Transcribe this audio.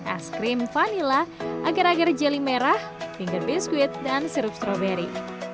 es krim vanila agar agar jeli merah finger biscuit dan sirup strawberry